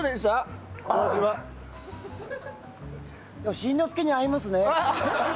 新之助に合いますね。